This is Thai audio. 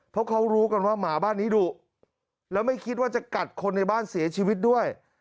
เพราะเขารู้กันว่าหมาบ้านนี้ดุแล้วไม่คิดว่าจะกัดคนในบ้านเสียชีวิตด้วย